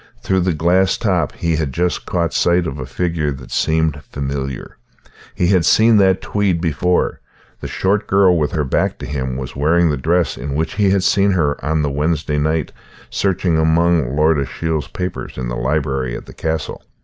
Through the glass top he had just caught sight of a figure that seemed familiar. He had seen that tweed before; the short girl with her back to him was wearing the dress in which he had seen her on the Wednesday night, searching among Lord Ashiel's papers in the library at the castle.